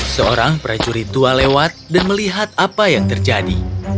seorang prajurit tua lewat dan melihat apa yang terjadi